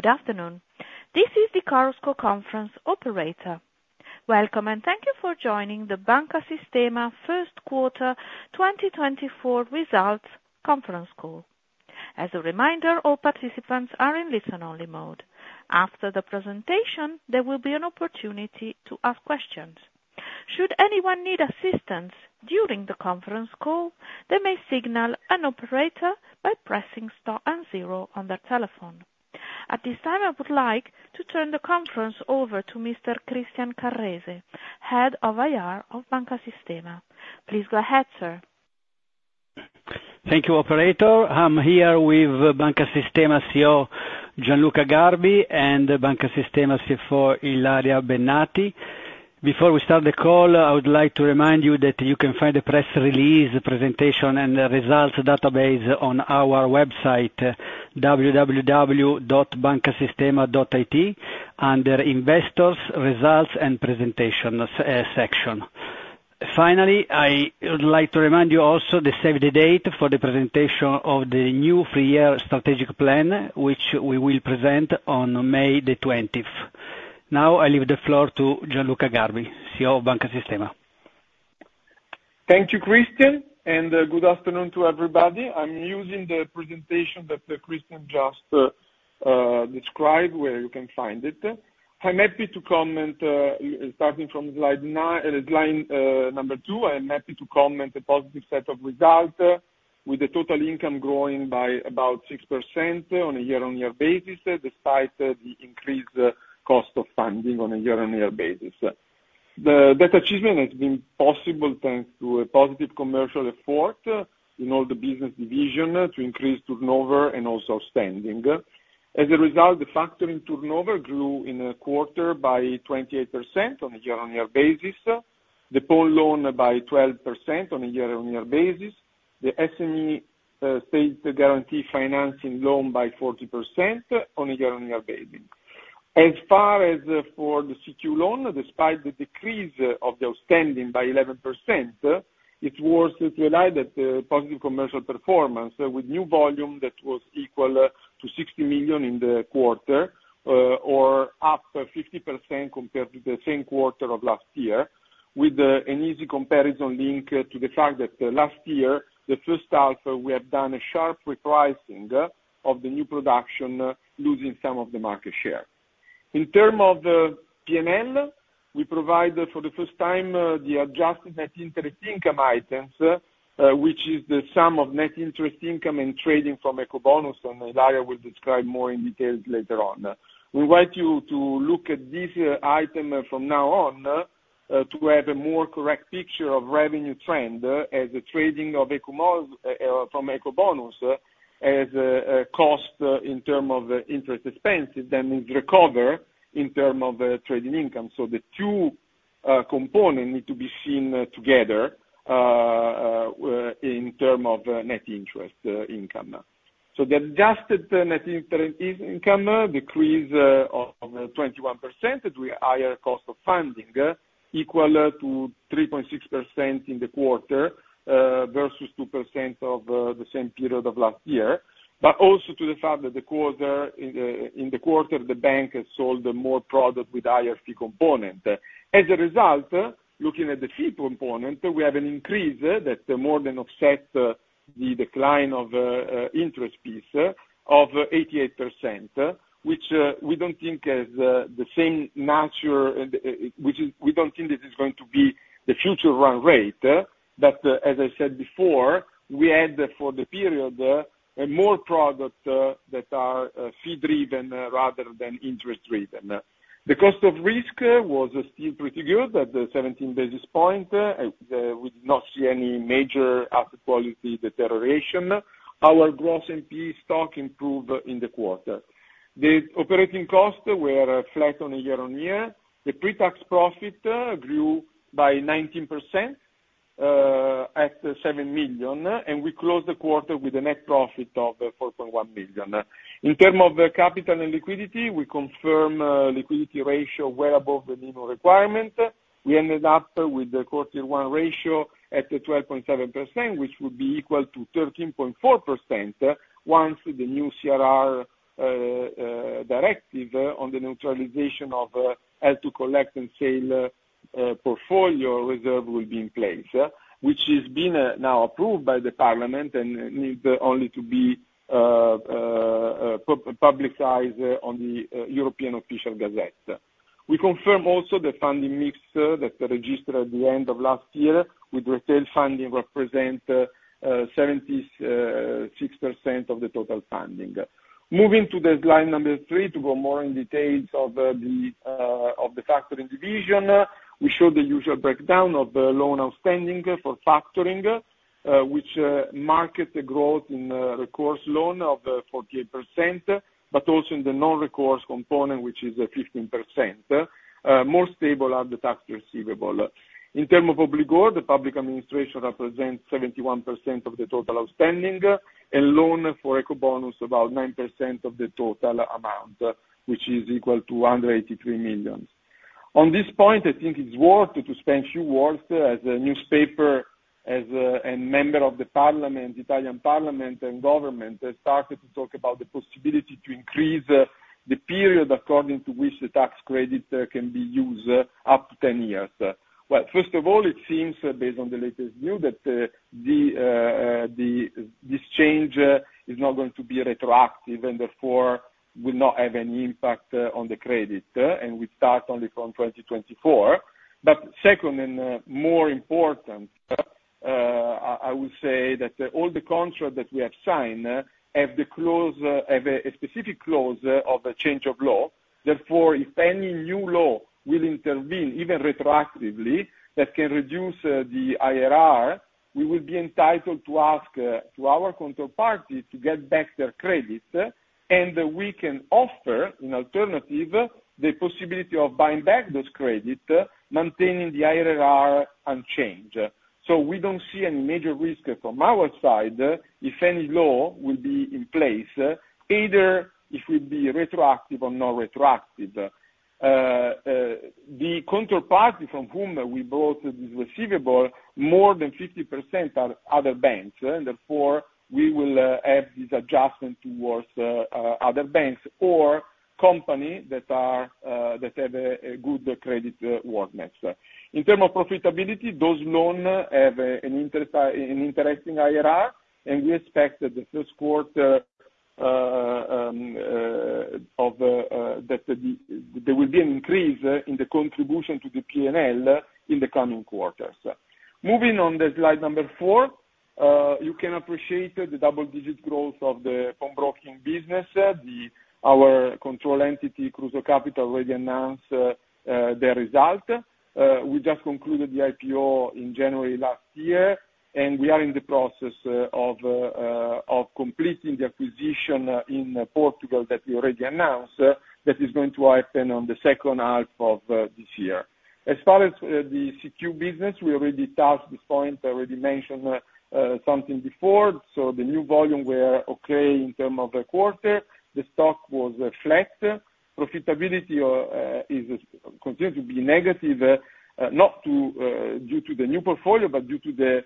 Good afternoon. This is the Chorus Call conference operator. Welcome, and thank you for joining the Banca Sistema First Quarter 2024 Results Conference Call. As a reminder, all participants are in listen-only mode. After the presentation, there will be an opportunity to ask questions. Should anyone need assistance during the conference call, they may signal an operator by pressing star and 0 on their telephone. At this time, I would like to turn the conference over to Mr. Cristian Carrese, Head of IR of Banca Sistema. Please go ahead, sir. Thank you, operator. I'm here with Banca Sistema CEO Gianluca Garbi and Banca Sistema CFO Ilaria Bennati. Before we start the call, I would like to remind you that you can find the press release, presentation, and results database on our website, www.bancasistema.it, under Investors, Results, and Presentations section. Finally, I would like to remind you also the save-the-date for the presentation of the new three-year strategic plan, which we will present on May the 20th. Now I leave the floor to Gianluca Garbi, CEO of Banca Sistema. Thank you, Cristian, and good afternoon to everybody. I'm using the presentation that Cristian just described where you can find it. I'm happy to comment starting from slide 2. I'm happy to comment a positive set of results with the total income growing by about 6% on a year-on-year basis despite the increased cost of funding on a year-on-year basis. The debt achievement has been possible thanks to a positive commercial effort in all the business division to increase turnover and also spending. As a result, the factoring turnover grew in a quarter by 28% on a year-on-year basis, the pawn loan by 12% on a year-on-year basis, the SME state guarantee financing loan by 40% on a year-on-year basis. As far as for the CQ loan, despite the decrease of the outstanding by 11%, it's worth to highlight that the positive commercial performance with new volume that was equal to 60 million in the quarter or up 50% compared to the same quarter of last year with an easy comparison link to the fact that last year, the first half, we have done a sharp repricing of the new production losing some of the market share. In terms of P&L, we provide for the first time the adjusted net interest income items, which is the sum of net interest income and trading from Ecobonus, and Ilaria will describe more in detail later on. We invite you to look at this item from now on to have a more correct picture of revenue trend as the trading from Ecobonus as a cost in terms of interest expenses that needs recover in terms of trading income. So the two components need to be seen together in terms of net interest income. So the adjusted net interest income decreased of 21% through higher cost of funding equal to 3.6% in the quarter versus 2% of the same period of last year, but also to the fact that in the quarter, the bank sold more product with higher fee component. As a result, looking at the fee component, we have an increase that more than offset the decline of interest fees of 88%, which we don't think is the same nature which we don't think this is going to be the future run rate. But as I said before, we add for the period more product that are fee-driven rather than interest-driven. The cost of risk was still pretty good at the 17 basis point. We did not see any major asset quality deterioration. Our gross NP stock improved in the quarter. The operating costs were flat on a year-on-year. The pre-tax profit grew by 19% at 7 million, and we closed the quarter with a net profit of 4.1 million. In terms of capital and liquidity, we confirm liquidity ratio well above the minimum requirement. We ended up with the quarter one ratio at 12.7%, which would be equal to 13.4% once the new CRR directive on the neutralization of Held to Collect and Sell portfolio reserve will be in place, which has been now approved by the parliament and needs only to be publicized on the European Official Gazette. We confirm also the funding mix that registered at the end of last year with retail funding represent 76% of the total funding. Moving to slide 3 to go more in details of the factoring division, we show the usual breakdown of loan outstanding for factoring, which marks the growth in recourse loan of 48%, but also in the non-recourse component, which is 15%. More stable are the tax receivable. In terms of obligor, the public administration represents 71% of the total outstanding and loan for Ecobonus about 9% of the total amount, which is equal to 183 million. On this point, I think it's worth to spend a few words as a newspaper and member of the parliament, Italian parliament and government, started to talk about the possibility to increase the period according to which the tax credit can be used up to 10 years. Well, first of all, it seems based on the latest view that this change is not going to be retroactive and therefore will not have any impact on the credit, and we start only from 2024. But second and more important, I would say that all the contracts that we have signed have a specific clause of change of law. Therefore, if any new law will intervene even retroactively that can reduce the IRR, we will be entitled to ask our counterparty to get back their credit, and we can offer an alternative the possibility of buying back those credits maintaining the IRR unchanged. So we don't see any major risk from our side if any law will be in place, either if we'd be retroactive or non-retroactive. The counterparty from whom we brought this receivable, more than 50% are other banks, and therefore we will have this adjustment towards other banks or companies that have a good creditworthiness. In terms of profitability, those loans have an interesting IRR, and we expect that the first quarter of that there will be an increase in the contribution to the P&L in the coming quarters. Moving on to slide number 4, you can appreciate the double-digit growth of the pawn broking business. Our control entity, Kruso Kapital, already announced their result. We just concluded the IPO in January last year, and we are in the process of completing the acquisition in Portugal that we already announced that is going to happen on the second half of this year. As far as the CQ business, we already touched this point, already mentioned something before. The new volume were okay in terms of the quarter. The stock was flat. Profitability continues to be negative, not due to the new portfolio, but due to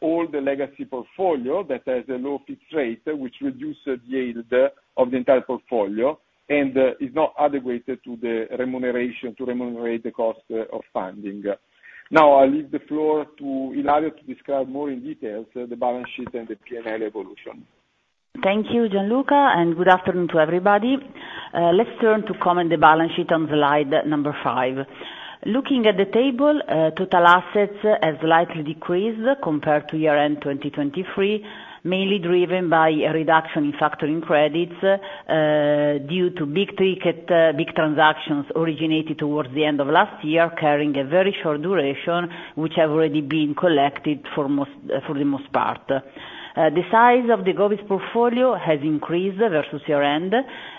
all the legacy portfolio that has a low fixed rate, which reduces the yield of the entire portfolio and is not adequate to remunerate the cost of funding. Now I'll leave the floor to Ilaria to describe more in details the balance sheet and the P&L evolution. Thank you, Gianluca, and good afternoon to everybody. Let's turn to comment the balance sheet on slide number 5. Looking at the table, total assets have slightly decreased compared to year-end 2023, mainly driven by a reduction in factoring credits due to big transactions originated towards the end of last year carrying a very short duration, which have already been collected for the most part. The size of the Govies portfolio has increased versus year-end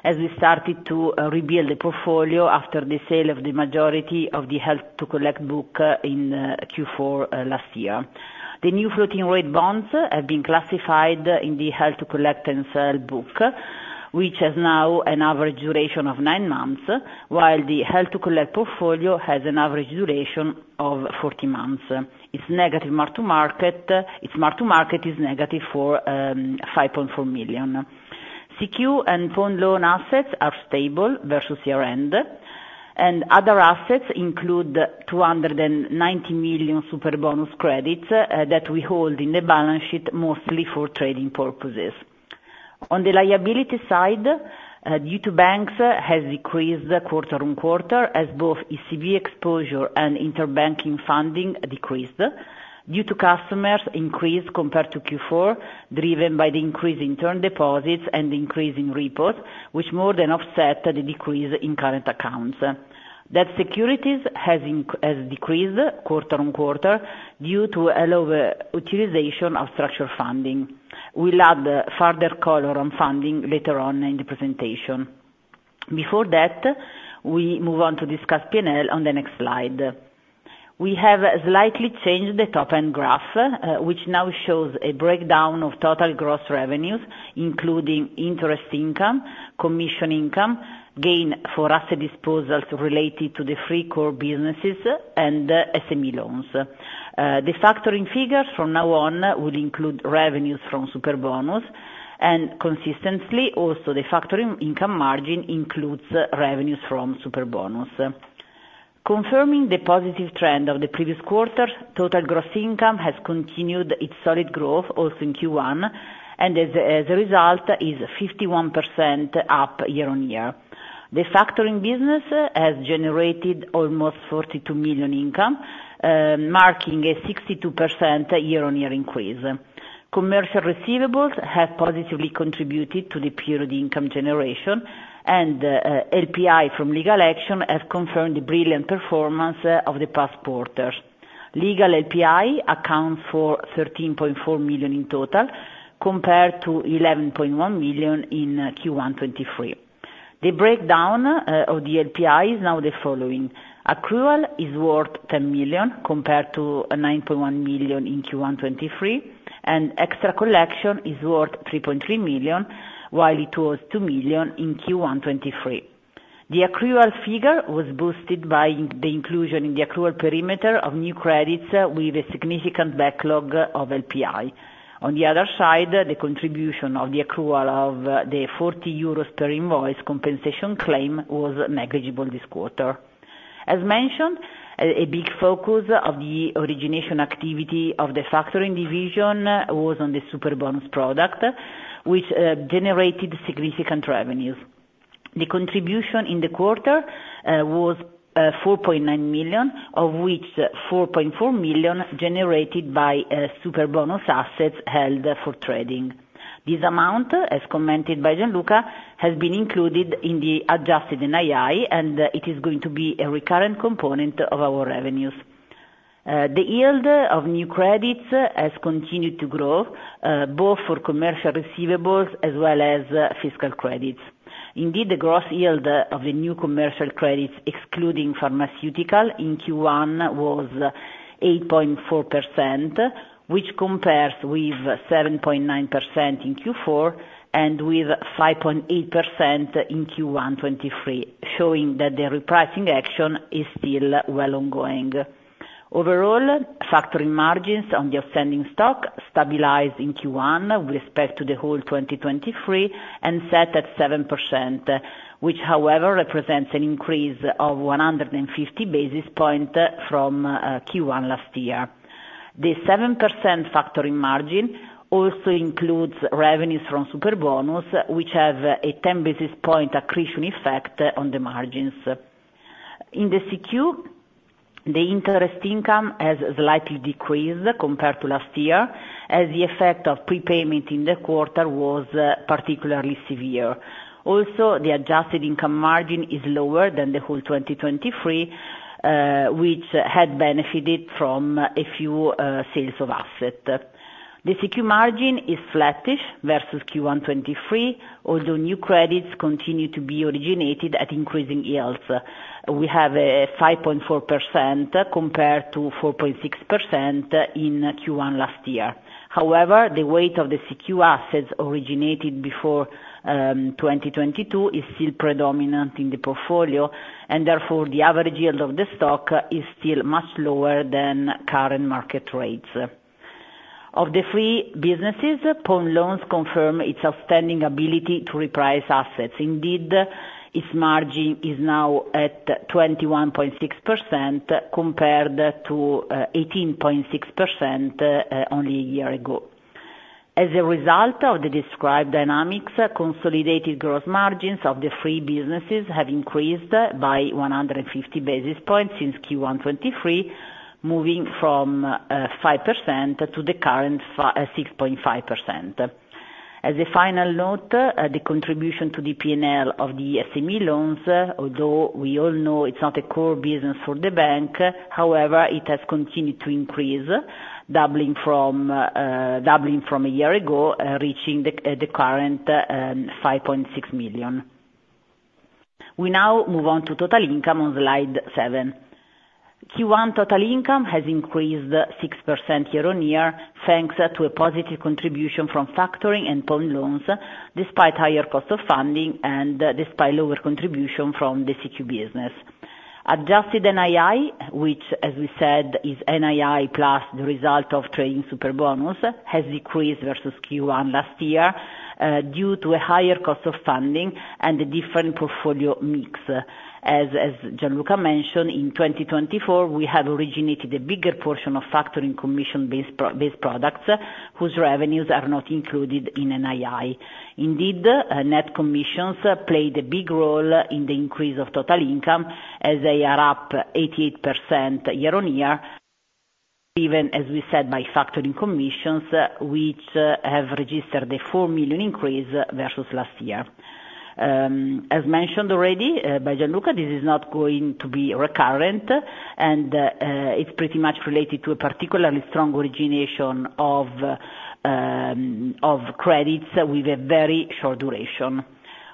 as we started to rebuild the portfolio after the sale of the majority of the held-to-collect book in Q4 last year. The new floating-rate bonds have been classified in the held-to-collect and sell book, which has now an average duration of 9 months, while the held-to-collect portfolio has an average duration of 40 months. Its market is negative for 5.4 million. CQ and pawn loan assets are stable versus year-end, and other assets include 290 million Superbonus credits that we hold in the balance sheet mostly for trading purposes. On the liability side, due to banks has decreased quarter-on-quarter as both ECB exposure and interbank funding decreased due to customers increased compared to Q4 driven by the increase in term deposits and increase in repos, which more than offset the decrease in current accounts. Debt securities has decreased quarter-on-quarter due to elevated utilization of structured funding. We'll add further color on funding later on in the presentation. Before that, we move on to discuss P&L on the next slide. We have slightly changed the top-end graph, which now shows a breakdown of total gross revenues including interest income, commission income, gain for asset disposals related to the three core businesses, and SME loans. The factoring figures from now on will include revenues from Superbonus, and consistently, also the factoring income margin includes revenues from Superbonus. Confirming the positive trend of the previous quarter, total gross income has continued its solid growth also in Q1, and as a result, is 51% up year-on-year. The factoring business has generated almost 42 million income, marking a 62% year-on-year increase. Commercial receivables have positively contributed to the period income generation, and LPI from legal action has confirmed the brilliant performance of the past quarter. Legal LPI accounts for 13.4 million in total compared to 11.1 million in Q1 2023. The breakdown of the LPI is now the following: accrual is worth 10 million compared to 9.1 million in Q1 2023, and extra collection is worth 3.3 million, while it was 2 million in Q1 2023. The accrual figure was boosted by the inclusion in the accrual perimeter of new credits with a significant backlog of LPI. On the other side, the contribution of the accrual of the 40 euros per invoice compensation claim was negligible this quarter. As mentioned, a big focus of the origination activity of the factoring division was on the Superbonus product, which generated significant revenues. The contribution in the quarter was 4.9 million, of which 4.4 million generated by Superbonus assets held for trading. This amount, as commented by Gianluca, has been included in the adjusted NII, and it is going to be a recurrent component of our revenues. The yield of new credits has continued to grow, both for commercial receivables as well as fiscal credits. Indeed, the gross yield of the new commercial credits excluding pharmaceutical in Q1 was 8.4%, which compares with 7.9% in Q4 and with 5.8% in Q1 2023, showing that the repricing action is still well ongoing. Overall, factoring margins on the outstanding stock stabilized in Q1 with respect to the whole 2023 and set at 7%, which, however, represents an increase of 150 basis points from Q1 last year. The 7% factoring margin also includes revenues from Superbonus, which have a 10 basis point accretion effect on the margins. In the CQ, the interest income has slightly decreased compared to last year as the effect of prepayment in the quarter was particularly severe. Also, the adjusted income margin is lower than the whole 2023, which had benefited from a few sales of assets. The CQ margin is flattish versus Q1 2023, although new credits continue to be originated at increasing yields. We have 5.4% compared to 4.6% in Q1 last year. However, the weight of the CQ assets originated before 2022 is still predominant in the portfolio, and therefore, the average yield of the stock is still much lower than current market rates. Of the three businesses, Pawn loans confirm its outstanding ability to reprice assets. Indeed, its margin is now at 21.6% compared to 18.6% only a year ago. As a result of the described dynamics, consolidated gross margins of the three businesses have increased by 150 basis points since Q1 2023, moving from 5% to the current 6.5%. As a final note, the contribution to the P&L of the SME loans, although we all know it's not a core business for the bank, however, it has continued to increase, doubling from a year ago and reaching the current 5.6 million. We now move on to total income on slide seven. Q1 total income has increased 6% year-on-year thanks to a positive contribution from factoring and Pawn loans despite higher cost of funding and despite lower contribution from the CQ business. Adjusted NII, which, as we said, is NII plus the result of trading Superbonus, has decreased versus Q1 last year due to a higher cost of funding and a different portfolio mix. As Gianluca mentioned, in 2024, we have originated a bigger portion of factoring commission-based products whose revenues are not included in NII. Indeed, net commissions played a big role in the increase of total income as they are up 88% year-on-year, driven, as we said, by factoring commissions, which have registered a 4 million increase versus last year. As mentioned already by Gianluca, this is not going to be recurrent, and it's pretty much related to a particularly strong origination of credits with a very short duration.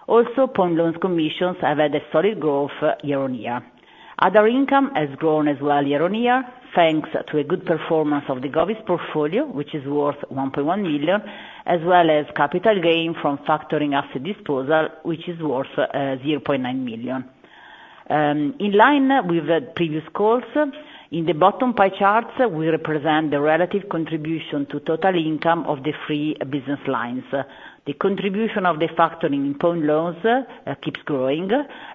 Also, Pawn loans commissions have had a solid growth year-on-year. Other income has grown as well year-on-year thanks to a good performance of the Govies portfolio, which is worth 1.1 million, as well as capital gain from factoring asset disposal, which is worth 0.9 million. In line with previous calls, in the bottom pie charts, we represent the relative contribution to total income of the three business lines. The contribution of the factoring in pawn loans keeps growing,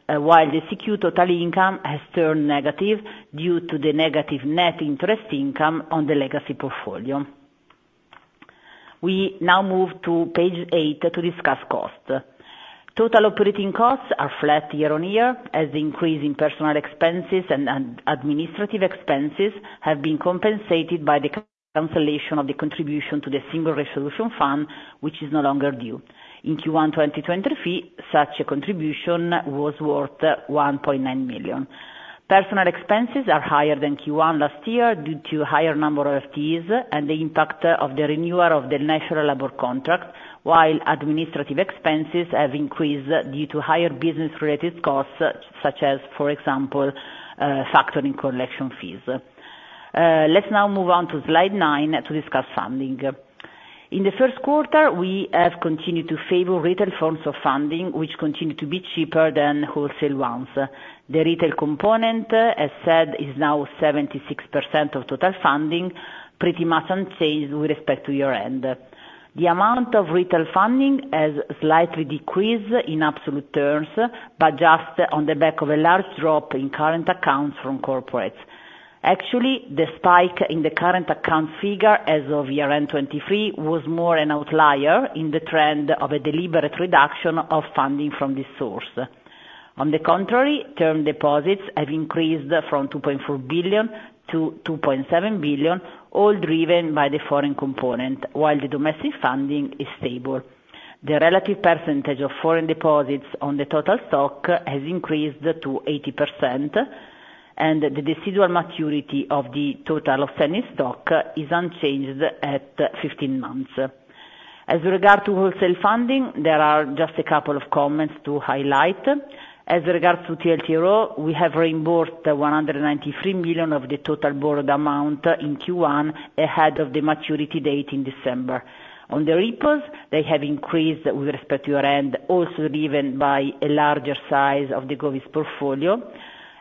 while the CQ total income has turned negative due to the negative net interest income on the legacy portfolio. We now move to page 8 to discuss costs. Total operating costs are flat year-on-year as the increase in personal expenses and administrative expenses has been compensated by the cancellation of the contribution to the single resolution fund, which is no longer due. In Q1 2023, such a contribution was worth 1.9 million. Personal expenses are higher than Q1 last year due to a higher number of FTEs and the impact of the renewal of the national labor contract, while administrative expenses have increased due to higher business-related costs such as, for example, factoring collection fees. Let's now move on to slide 9 to discuss funding. In the first quarter, we have continued to favor retail forms of funding, which continue to be cheaper than wholesale ones. The retail component, as said, is now 76% of total funding, pretty much unchanged with respect to year-end. The amount of retail funding has slightly decreased in absolute terms but just on the back of a large drop in current accounts from corporates. Actually, the spike in the current account figure as of year-end 2023 was more an outlier in the trend of a deliberate reduction of funding from this source. On the contrary, term deposits have increased from 2.4 billion to 2.7 billion, all driven by the foreign component, while the domestic funding is stable. The relative percentage of foreign deposits on the total stock has increased to 80%, and the residual maturity of the total outstanding stock is unchanged at 15 months. As regards to wholesale funding, there are just a couple of comments to highlight. As regards to TLTRO, we have reimbursed 193 million of the total borrowed amount in Q1 ahead of the maturity date in December. On the repos, they have increased with respect to year-end, also driven by a larger size of the Govies portfolio.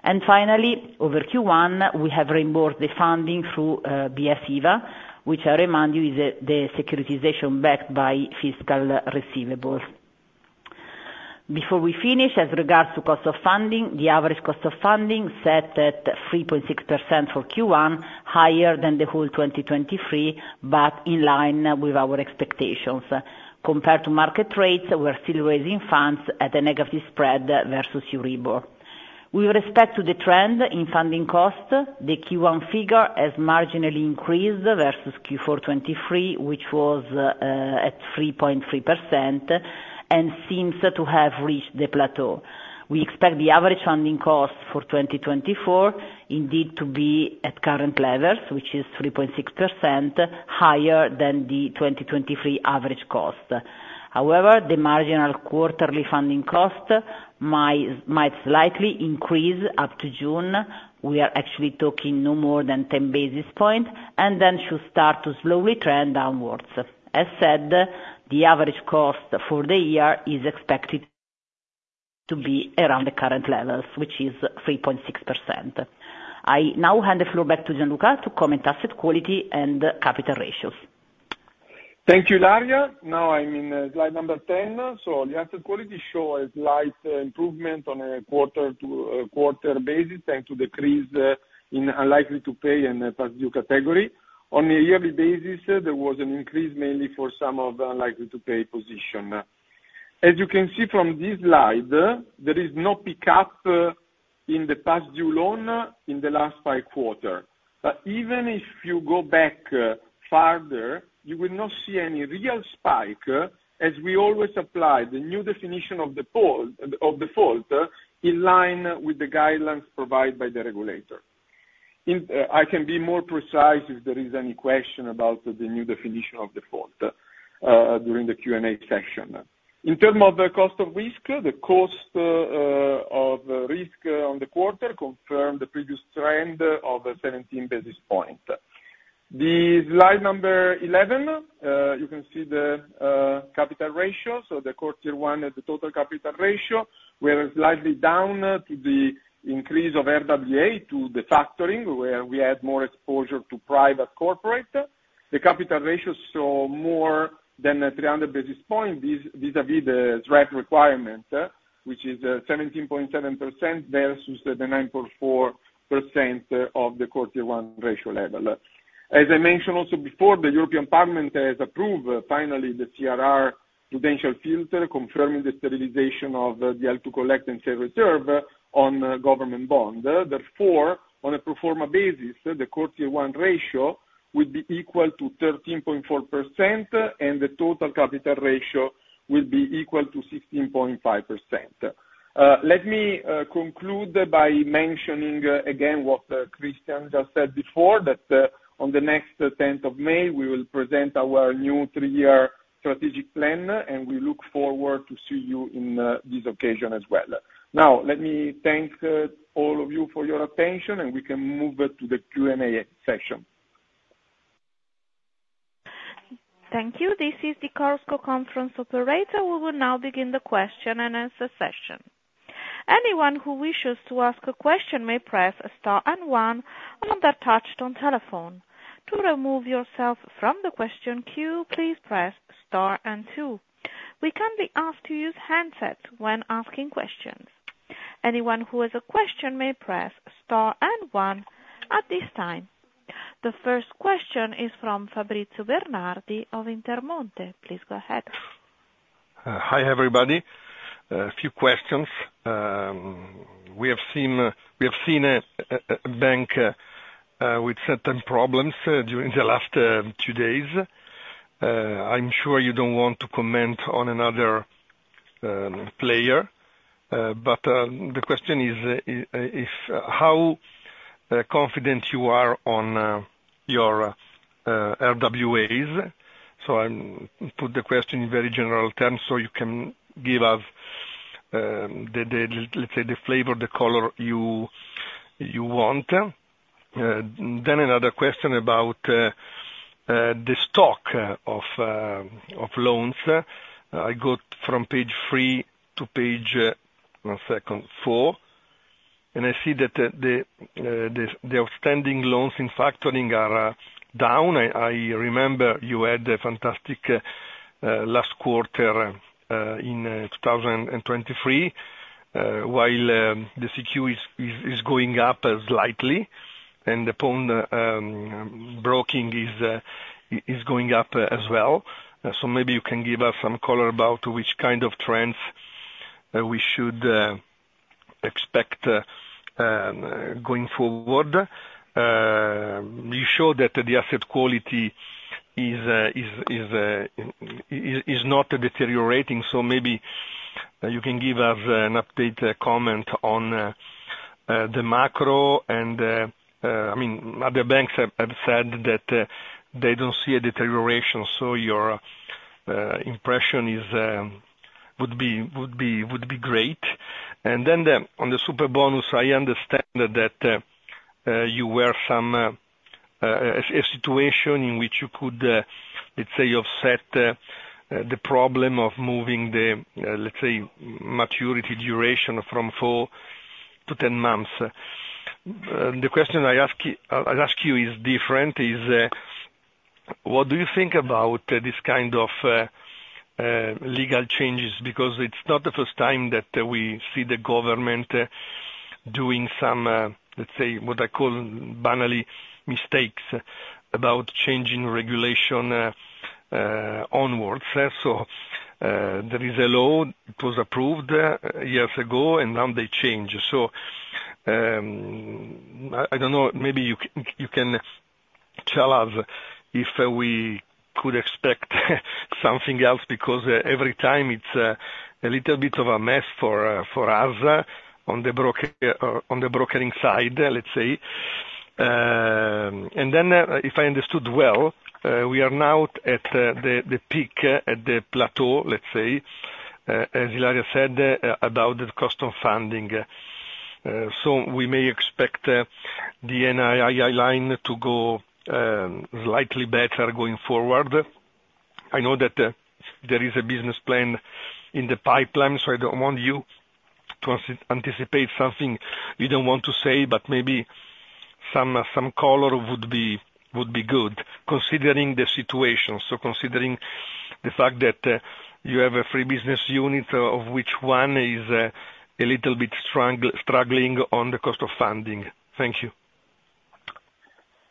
And finally, over Q1, we have reimbursed the funding through BS I.V.A., which I remind you is the securitization backed by fiscal receivables. Before we finish, as regards to cost of funding, the average cost of funding set at 3.6% for Q1, higher than the whole 2023 but in line with our expectations. Compared to market rates, we're still raising funds at a negative spread versus EURIBOR. With respect to the trend in funding costs, the Q1 figure has marginally increased versus Q4 2023, which was at 3.3%, and seems to have reached the plateau. We expect the average funding cost for 2024, indeed, to be at current levels, which is 3.6%, higher than the 2023 average cost. However, the marginal quarterly funding cost might slightly increase up to June. We are actually talking no more than 10 basis points and then should start to slowly trend downwards. As said, the average cost for the year is expected to be around the current levels, which is 3.6%. I now hand the floor back to Gianluca to comment asset quality and capital ratios. Thank you, Illaria. Now I'm in slide number 10. So the asset quality show a slight improvement on a quarter-basis thanks to decrease in unlikely-to-pay and past-due category. On a yearly basis, there was an increase mainly for some of the unlikely-to-pay position. As you can see from this slide, there is no pickup in the past-due loan in the last 5 quarters. But even if you go back farther, you will not see any real spike as we always apply the new definition of default in line with the guidelines provided by the regulator. I can be more precise if there is any question about the new definition of default during the Q&A session. In terms of cost of risk, the cost of risk on the quarter confirmed the previous trend of 17 basis points. The slide number 11, you can see the capital ratio. So the quarter one at the total capital ratio, we are slightly down to the increase of RWA to the factoring, where we had more exposure to private corporate. The capital ratios saw more than 300 basis points vis-à-vis the SREP requirement, which is 17.7% versus the 9.4% of the quarter one ratio level. As I mentioned also before, the European Parliament has approved finally the CRR prudential filter, confirming the sterilization of the Held to Collect and sell reserve on government bond. Therefore, on a performer basis, the quarter one ratio would be equal to 13.4%, and the total capital ratio would be equal to 16.5%. Let me conclude by mentioning again what Cristian just said before, that on the next 10th of May, we will present our new three-year strategic plan, and we look forward to seeing you in this occasion as well. Now, let me thank all of you for your attention, and we can move to the Q&A session. Thank you. This is the Chorus Call conference operator. We will now begin the question and answer session. Anyone who wishes to ask a question may press star and one on their touch-tone telephone. To remove yourself from the question queue, please press star and two. We can be asked to use handsets when asking questions. Anyone who has a question may press star and one at this time. The first question is from Fabrizio Bernardi of Intermonte. Please go ahead. Hi, everybody. A few questions. We have seen a bank with certain problems during the last two days. I'm sure you don't want to comment on another player, but the question is how confident you are on your RWAs. So I put the question in very general terms so you can give us, let's say, the flavor, the color you want. Then another question about the stock of loans. I go from page 3 to page - one second - 4, and I see that the outstanding loans in factoring are down. I remember you had a fantastic last quarter in 2023 while the CQ is going up slightly, and the pawn broking is going up as well. So maybe you can give us some color about which kind of trends we should expect going forward. You show that the asset quality is not deteriorating, so maybe you can give us an update comment on the macro. And I mean, other banks have said that they don't see a deterioration, so your impression would be great. And then on the Superbonus, I understand that you were in a situation in which you could, let's say, offset the problem of moving the, let's say, maturity duration from 4 to 10 months. The question I ask you is different. What do you think about this kind of legal changes? Because it's not the first time that we see the government doing some, let's say, what I call banal mistakes about changing regulation onwards. So there is a law that was approved years ago, and now they change. So I don't know. Maybe you can tell us if we could expect something else because every time, it's a little bit of a mess for us on the brokering side, let's say. And then if I understood well, we are now at the peak, at the plateau, let's say, as Ilaria said, about the cost of funding. So we may expect the NII line to go slightly better going forward. I know that there is a business plan in the pipeline, so I don't want you to anticipate something you don't want to say, but maybe some color would be good considering the situation. So considering the fact that you have a three-business unit, of which one is a little bit struggling on the cost of funding. Thank you.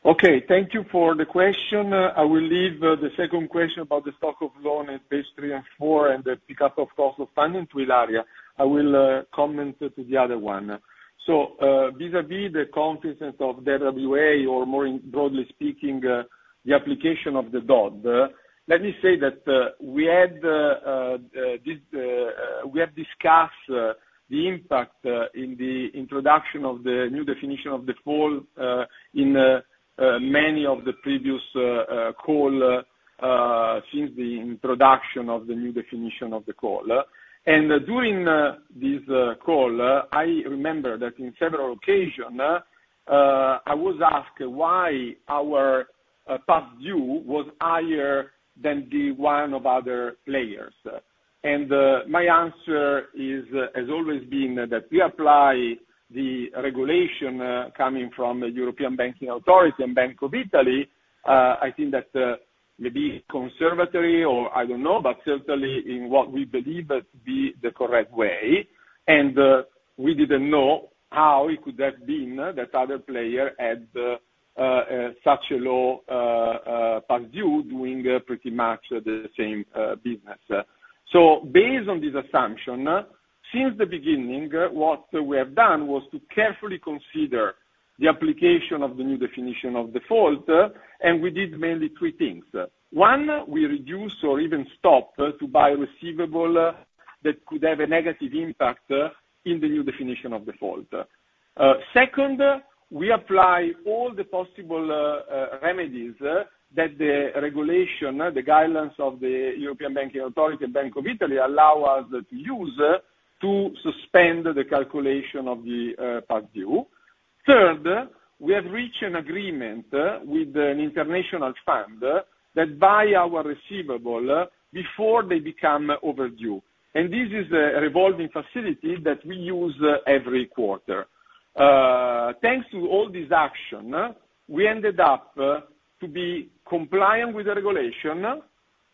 Okay. Thank you for the question. I will leave the second question about the stock of loan at page 3 and 4 and the pickup of cost of funding to Ilaria. I will comment to the other one. So vis-à-vis the confidence of DWA or, more broadly speaking, the application of the DoD, let me say that we had discussed the impact in the introduction of the new definition of default in many of the previous calls since the introduction of the new definition of the call. During this call, I remember that in several occasions, I was asked why our past due was higher than the one of other players. My answer has always been that we apply the regulation coming from the European Banking Authority and Bank of Italy. I think that maybe conservative or I don't know, but certainly in what we believe to be the correct way. We didn't know how it could have been that other player had such a low past due doing pretty much the same business. So based on this assumption, since the beginning, what we have done was to carefully consider the application of the new definition of default, and we did mainly three things. One, we reduce or even stop to buy receivable that could have a negative impact in the new definition of default. Second, we apply all the possible remedies that the regulation, the guidelines of the European Banking Authority and Bank of Italy allow us to use to suspend the calculation of the past due. Third, we have reached an agreement with an international fund that buys our receivable before they become overdue. And this is a revolving facility that we use every quarter. Thanks to all this action, we ended up to be compliant with the regulation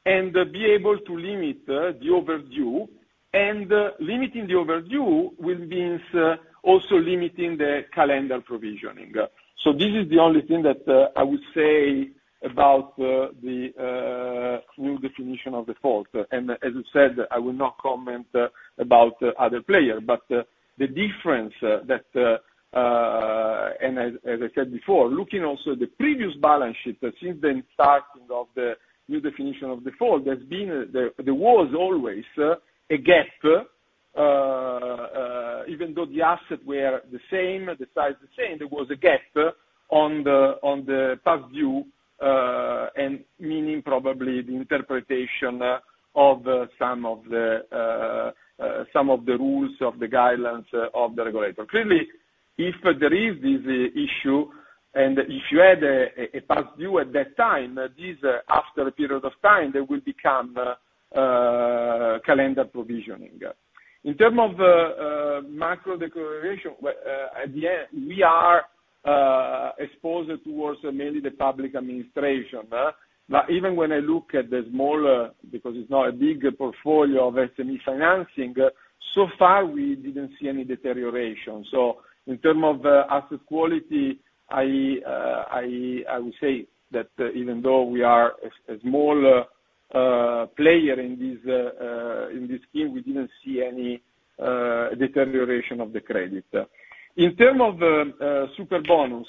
and be able to limit the overdue. And limiting the overdue will mean also limiting the calendar provisioning. So this is the only thing that I would say about the new definition of default. And as I said, I will not comment about other players, but the difference that and as I said before, looking also at the previous balance sheet since the starting of the new Definition of Default, there was always a gap. Even though the assets were the same, the size the same, there was a gap on the Past Due and meaning probably the interpretation of some of the rules of the guidelines of the regulator. Clearly, if there is this issue and if you had a Past Due at that time, after a period of time, there will become calendar provisioning. In terms of macro declaration, at the end, we are exposed towards mainly the public administration. But even when I look at the smaller because it's not a big portfolio of SME financing, so far, we didn't see any deterioration. So in terms of asset quality, I would say that even though we are a small player in this scheme, we didn't see any deterioration of the credit. In terms of Superbonus,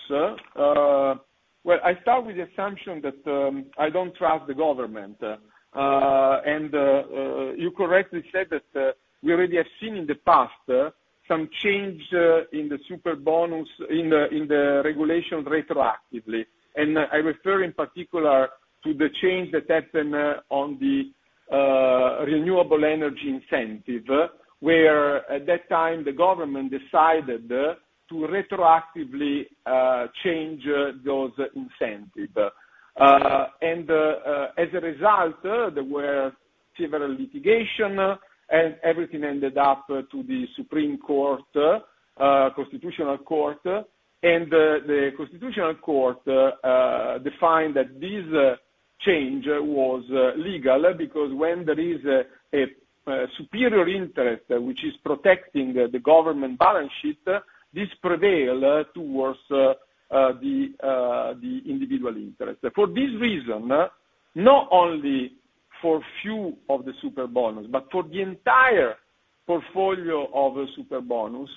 well, I start with the assumption that I don't trust the government. You correctly said that we already have seen in the past some change in the Superbonus in the regulation retroactively. I refer in particular to the change that happened on the renewable energy incentive, where at that time, the government decided to retroactively change those incentives. As a result, there were several litigations, and everything ended up to the Supreme Court, Constitutional Court. The Constitutional Court defined that this change was legal because when there is a superior interest, which is protecting the government balance sheet, this prevails towards the individual interest. For this reason, not only for a few of the Superbonus, but for the entire portfolio of Superbonus,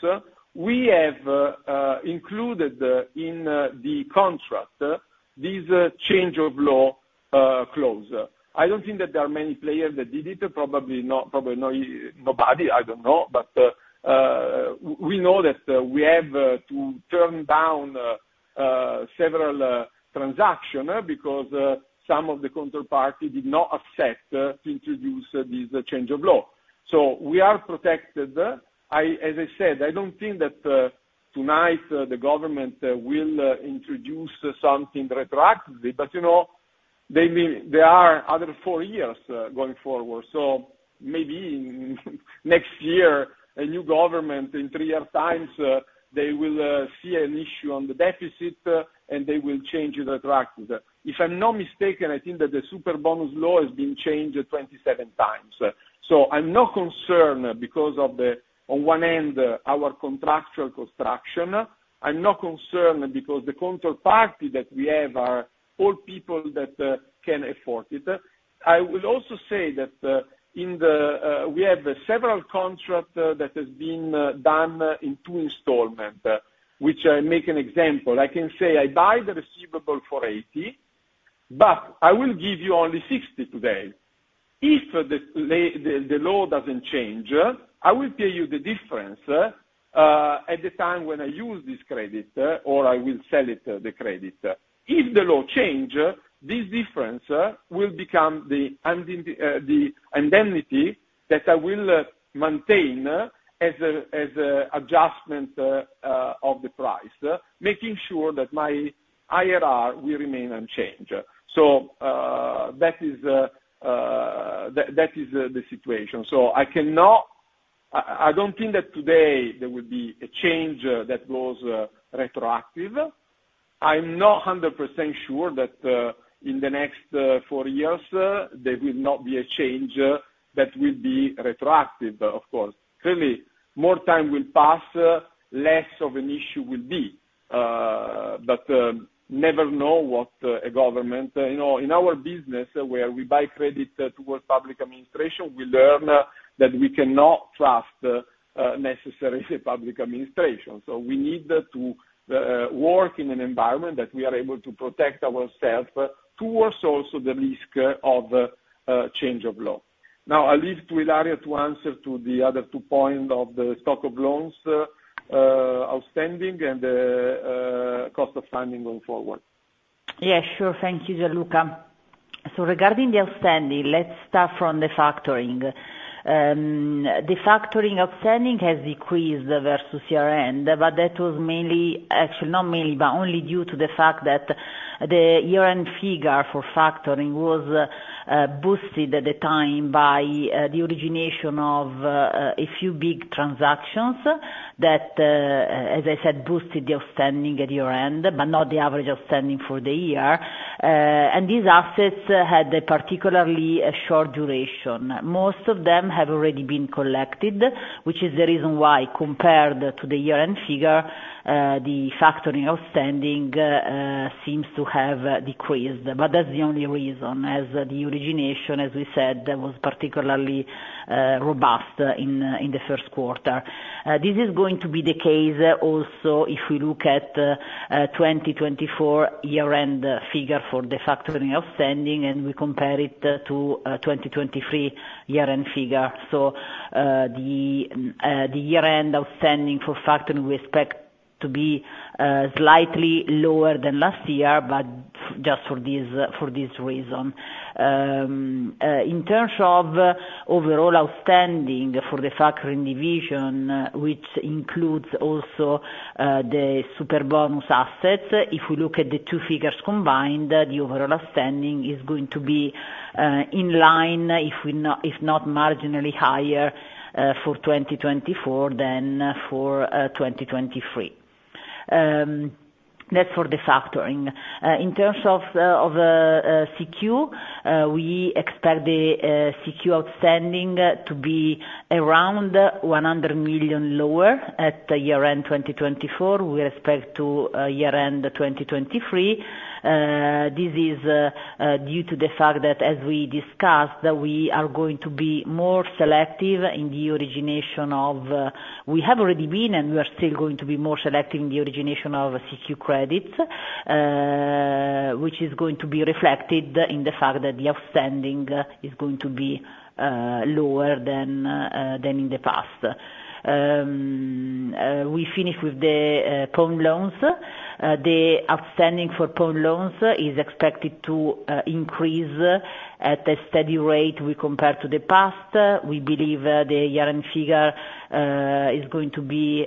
we have included in the contract this change of law clause. I don't think that there are many players that did it. Probably nobody. I don't know. But we know that we have to turn down several transactions because some of the counterparty did not accept to introduce this change of law. So we are protected. As I said, I don't think that tonight, the government will introduce something retroactively, but there are other four years going forward. So maybe next year, a new government, in three-year times, they will see an issue on the deficit, and they will change it retroactively. If I'm not mistaken, I think that the Superbonus law has been changed 27 times. So I'm not concerned because of the, on one end, our contractual construction. I'm not concerned because the counterparty that we have are all people that can afford it. I will also say that we have several contracts that have been done in two installments, which I make an example. I can say, "I buy the receivable for 80, but I will give you only 60 today. If the law doesn't change, I will pay you the difference at the time when I use this credit or I will sell it, the credit. If the law changes, this difference will become the indemnity that I will maintain as an adjustment of the price, making sure that my IRR will remain unchanged." So that is the situation. So I don't think that today, there will be a change that goes retroactive. I'm not 100% sure that in the next four years, there will not be a change that will be retroactive, of course. Clearly, more time will pass, less of an issue will be. But never know what a government in our business, where we buy credit towards public administration, we learn that we cannot trust necessarily public administration. So we need to work in an environment that we are able to protect ourselves towards also the risk of change of law. Now, I'll leave to Ilaria to answer the other two points of the stock of loans outstanding and the cost of funding going forward. Yeah. Sure. Thank you, Gianluca. So regarding the outstanding, let's start from the factoring. The factoring outstanding has decreased versus year-end, but that was mainly actually, not mainly, but only due to the fact that the year-end figure for factoring was boosted at the time by the origination of a few big transactions that, as I said, boosted the outstanding at year-end but not the average outstanding for the year. These assets had a particularly short duration. Most of them have already been collected, which is the reason why, compared to the year-end figure, the factoring outstanding seems to have decreased. But that's the only reason, as the origination, as we said, was particularly robust in the first quarter. This is going to be the case also if we look at 2024 year-end figure for the factoring outstanding and we compare it to 2023 year-end figure. So the year-end outstanding for factoring, we expect to be slightly lower than last year, but just for this reason. In terms of overall outstanding for the factoring division, which includes also the Superbonus assets, if we look at the two figures combined, the overall outstanding is going to be in line, if not marginally higher, for 2024 than for 2023. That's for the factoring. In terms of CQ, we expect the CQ outstanding to be around 100 million lower at year-end 2024 with respect to year-end 2023. This is due to the fact that, as we discussed, we are going to be more selective in the origination, and we are still going to be more selective in the origination of CQ credits, which is going to be reflected in the fact that the outstanding is going to be lower than in the past. We finish with the loans. The outstanding for loans is expected to increase at a steady rate when compared to the past. We believe the year-end figure is going to be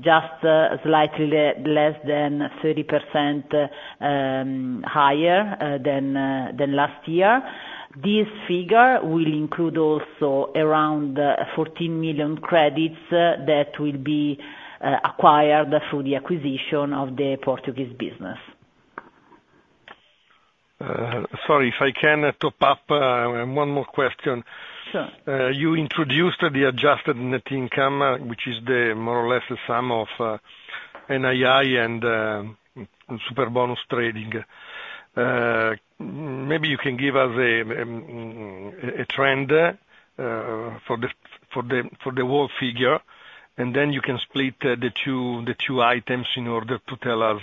just slightly less than 30% higher than last year. This figure will include also around 14 million credits that will be acquired through the acquisition of the Portuguese business. Sorry, if I can top up, one more question. You introduced the adjusted net income, which is more or less the sum of NII and Superbonus trading. Maybe you can give us a trend for the whole figure, and then you can split the two items in order to tell us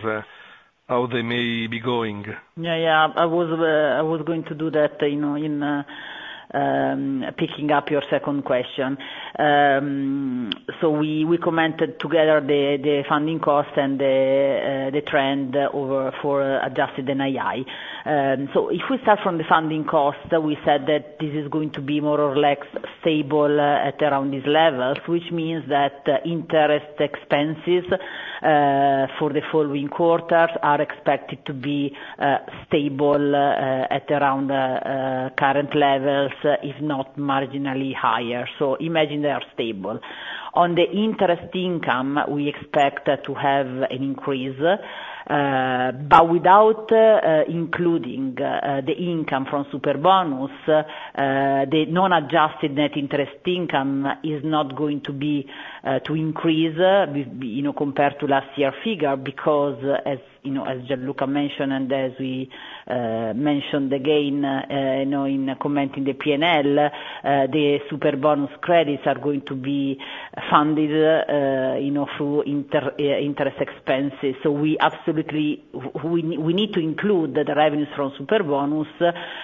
how they may be going. Yeah. Yeah. I was going to do that in picking up your second question. So we commented together the funding cost and the trend for adjusted NII. So if we start from the funding cost, we said that this is going to be more or less stable at around these levels, which means that interest expenses for the following quarters are expected to be stable at around current levels, if not marginally higher. So imagine they are stable. On the interest income, we expect to have an increase. But without including the income from Superbonus, the non-adjusted net interest income is not going to increase compared to last year's figure because, as Gianluca mentioned and as we mentioned again in commenting the P&L, the Superbonus credits are going to be funded through interest expenses. So we need to include the revenues from Superbonus.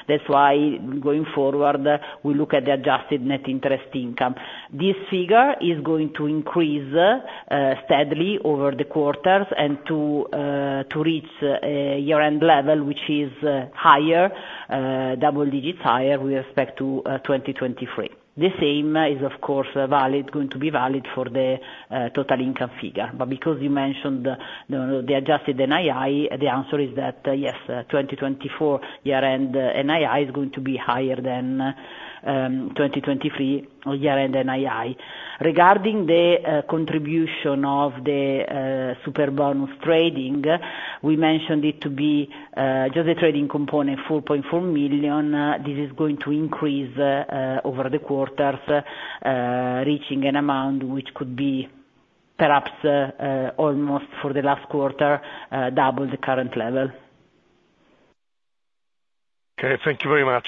That's why, going forward, we look at the Adjusted Net Interest Income. This figure is going to increase steadily over the quarters and to reach year-end level, which is higher, double digits higher with respect to 2023. The same is, of course, going to be valid for the total income figure. But because you mentioned the adjusted NII, the answer is that, yes, 2024 year-end NII is going to be higher than 2023 year-end NII. Regarding the contribution of the Superbonus trading, we mentioned it to be just the trading component, 4.4 million. This is going to increase over the quarters, reaching an amount which could be perhaps almost, for the last quarter, double the current level. Okay. Thank you very much.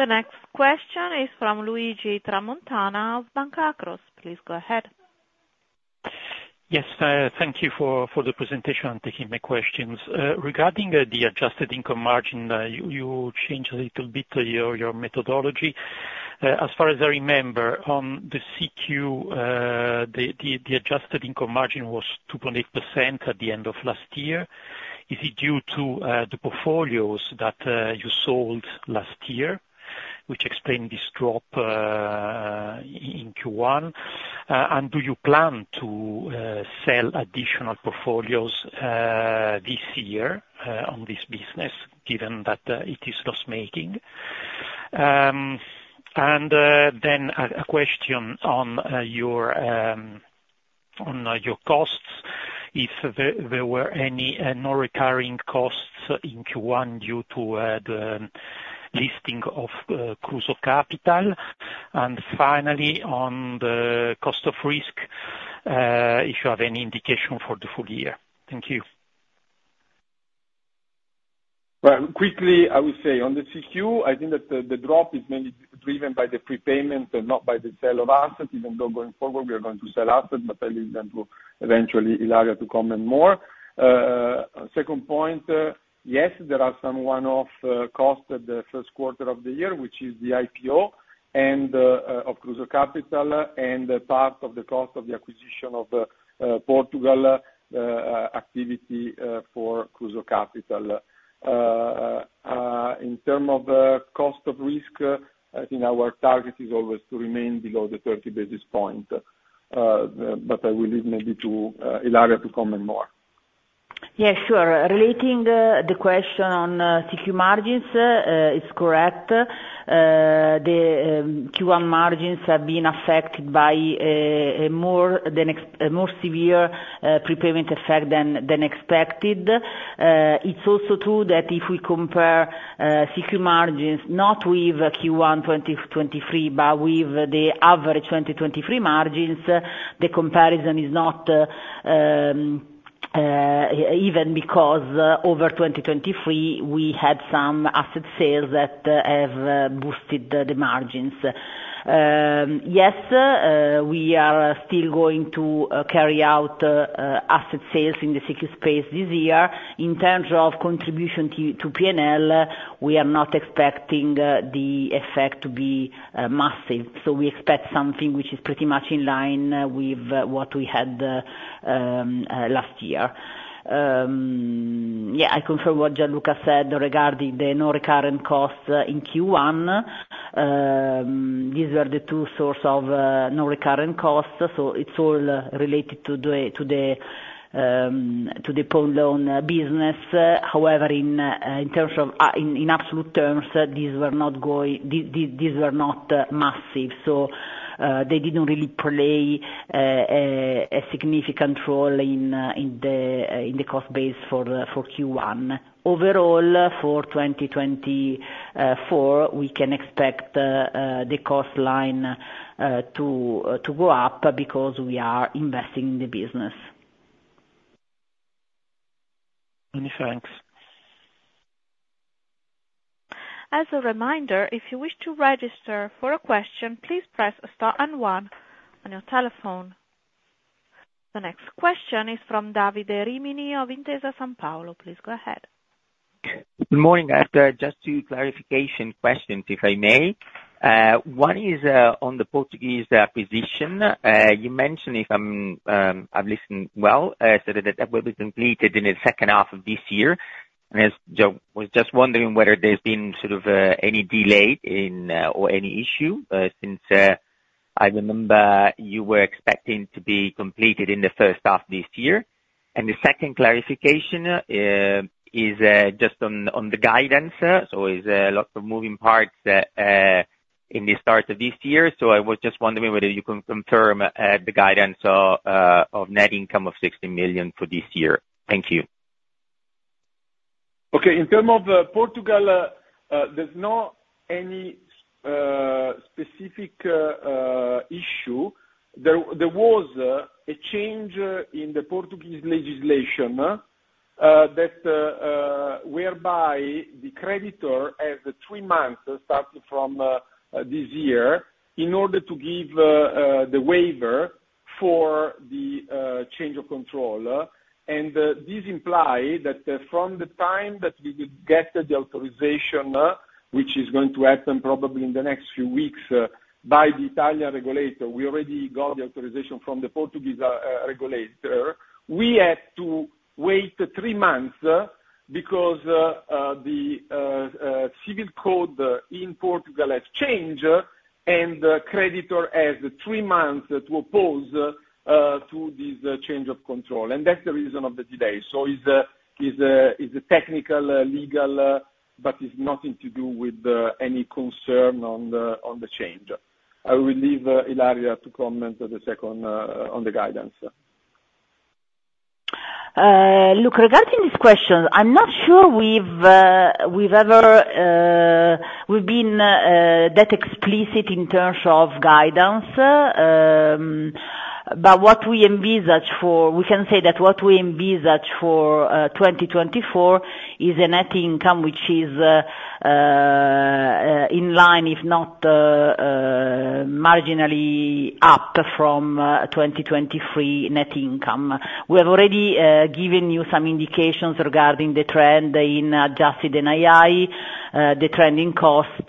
The next question is from Luigi Tramontana of Banca Akros. Please go ahead. Yes. Thank you for the presentation and taking my questions. Regarding the adjusted income margin, you changed a little bit your methodology. As far as I remember, on the CQ, the adjusted income margin was 2.8% at the end of last year. Is it due to the portfolios that you sold last year, which explained this drop in Q1? Do you plan to sell additional portfolios this year on this business, given that it is loss-making? Then a question on your costs, if there were any non-recurring costs in Q1 due to the listing of Kruso Kapital. Finally, on the cost of risk, if you have any indication for the full year. Thank you. Quickly, I would say, on the CQ, I think that the drop is mainly driven by the prepayment and not by the sale of assets. Even though, going forward, we are going to sell assets, but I'll leave that to eventually Ilaria to comment more. Second point, yes, there are some one-off costs at the first quarter of the year, which is the IPO of Kruso Kapital and part of the cost of the acquisition of Portugal activity for Kruso Kapital. In terms of cost of risk, I think our target is always to remain below the 30 basis points. But I will leave maybe to Ilaria to comment more. Yeah. Sure. Regarding the question on CQ margins, it's correct. The Q1 margins have been affected by a more severe prepayment effect than expected. It's also true that if we compare CQ margins not with Q1 2023 but with the average 2023 margins, the comparison is not even because over 2023, we had some asset sales that have boosted the margins. Yes, we are still going to carry out asset sales in the CQ space this year. In terms of contribution to P&L, we are not expecting the effect to be massive. So we expect something which is pretty much in line with what we had last year. Yeah. I confirm what Gianluca said regarding the non-recurrent costs in Q1. These were the two sources of non-recurrent costs. So it's all related to the loan business. However, in terms of absolute terms, these were not massive. So they didn't really play a significant role in the cost base for Q1. Overall, for 2024, we can expect the cost line to go up because we are investing in the business. Many thanks. As a reminder, if you wish to register for a question, please press star and one on your telephone. The next question is from Davide Rimini of Intesa Sanpaolo. Please go ahead. Good morning. I have just two clarification questions, if I may. One is on the Portuguese acquisition. You mentioned, if I've listened well, that it will be completed in the second half of this year. And I was just wondering whether there's been sort of any delay or any issue since I remember you were expecting it to be completed in the first half this year. And the second clarification is just on the guidance. So there's a lot of moving parts in the start of this year. So I was just wondering whether you can confirm the guidance of net income of 16 million for this year. Thank you. Okay. In terms of Portugal, there's not any specific issue. There was a change in the Portuguese legislation whereby the creditor has three months starting from this year in order to give the waiver for the change of control. This implies that from the time that we would get the authorization, which is going to happen probably in the next few weeks by the Italian regulator. We already got the authorization from the Portuguese regulator. We had to wait three months because the civil code in Portugal has changed, and the creditor has three months to oppose to this change of control. And that's the reason of the delay. So it's a technical, legal, but it's nothing to do with any concern on the change. I will leave Ilaria to comment on the guidance. Look, regarding this question, I'm not sure we've ever been that explicit in terms of guidance. But what we envisage for we can say that what we envisage for 2024 is a net income which is in line, if not marginally up, from 2023 net income. We have already given you some indications regarding the trend in adjusted NII, the trend in cost,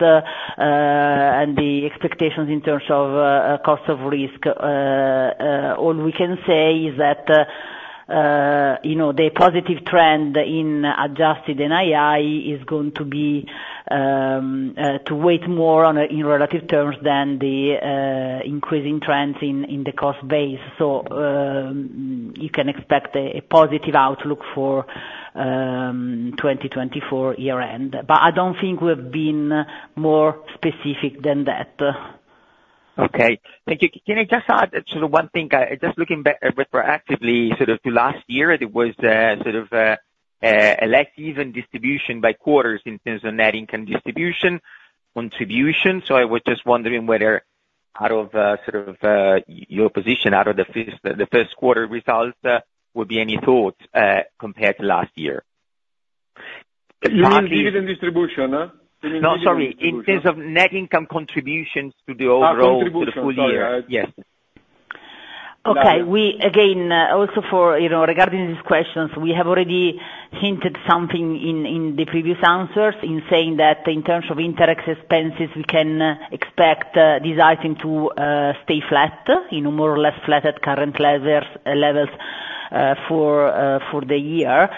and the expectations in terms of cost of risk. All we can say is that the positive trend in adjusted NII is going to weigh more in relative terms than the increasing trends in the cost base. So you can expect a positive outlook for 2024 year-end. But I don't think we've been more specific than that. Okay. Thank you. Can I just add sort of one thing? Just looking retroactively sort of to last year, there was sort of a less even distribution by quarters in terms of net income distribution. Contribution. So I was just wondering whether, out of sort of your position, out of the first quarter results, would be any thoughts compared to last year. You mean even distribution? You mean even distribution? No, sorry. In terms of net income contributions to the overall contributions, the full year, yes. Okay. Again, also regarding these questions, we have already hinted something in the previous answers in saying that in terms of interest expenses, we can expect these items to stay flat, more or less flat at current levels for the year.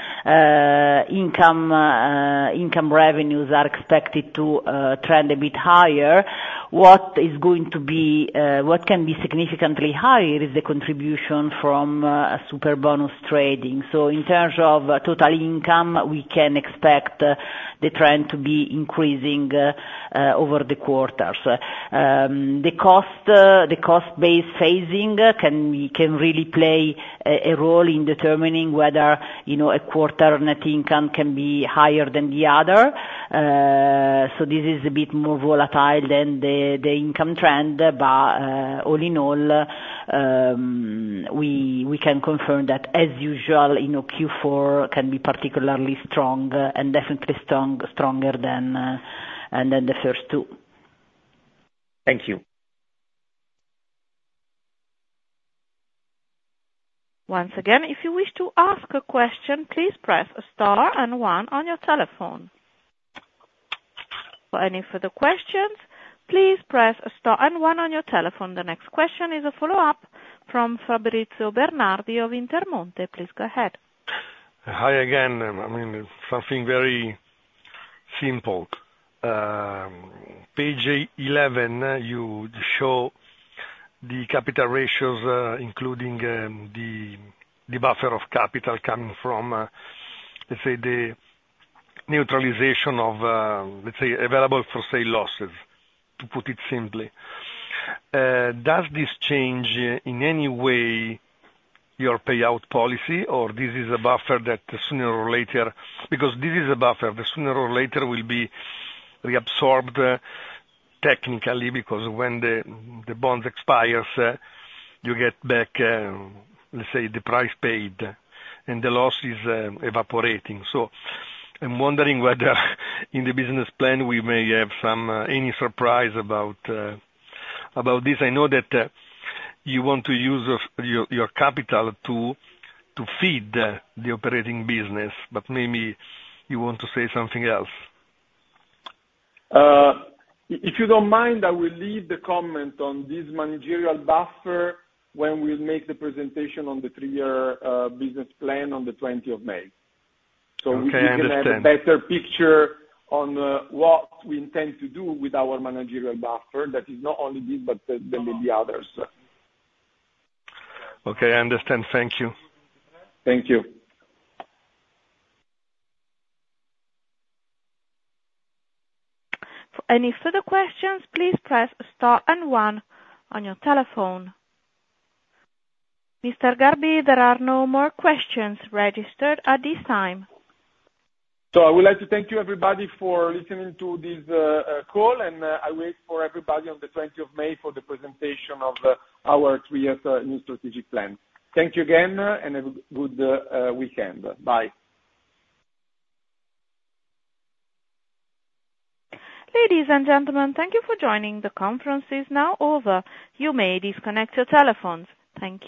Income revenues are expected to trend a bit higher. What is going to be what can be significantly higher is the contribution from Superbonus trading. So in terms of total income, we can expect the trend to be increasing over the quarters. The cost-based phasing can really play a role in determining whether a quarter net income can be higher than the other. So this is a bit more volatile than the income trend. But all in all, we can confirm that, as usual, Q4 can be particularly strong and definitely stronger than the first two. Thank you. Once again, if you wish to ask a question, please press star and one on your telephone. For any further questions, please press star and one on your telephone. The next question is a follow-up from Fabrizio Bernardi of Intermonte. Please go ahead. Hi again. I mean, something very simple. Page 11, you show the capital ratios, including the buffer of capital coming from, let's say, the neutralization of, let's say, available for sale losses, to put it simply. Does this change in any way your payout policy? Or this is a buffer that sooner or later because this is a buffer. The sooner or later will be reabsorbed technically because when the bond expires, you get back, let's say, the price paid, and the loss is evaporating. So I'm wondering whether, in the business plan, we may have any surprise about this. I know that you want to use your capital to feed the operating business, but maybe you want to say something else. If you don't mind, I will leave the comment on this managerial buffer when we'll make the presentation on the three-year business plan on the 20th of May. So we can have a better picture on what we intend to do with our managerial buffer that is not only this but then maybe others. Okay. I understand. Thank you. Thank you. For any further questions, please press star and one on your telephone. Mr. Garbi, there are no more questions registered at this time. So I would like to thank you, everybody, for listening to this call. And I wait for everybody on the 20th of May for the presentation of our three-year new strategic plan. Thank you again, and have a good weekend. Bye. Ladies and gentlemen, thank you for joining. The conference is now over. You may disconnect your telephones. Thank you.